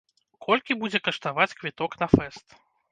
Колькі будзе каштаваць квіток на фэст?